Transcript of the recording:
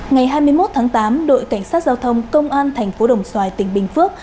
ngày hai mươi một tháng tám đội cảnh sát giao thông công an thành phố đồng xoài tỉnh bình phước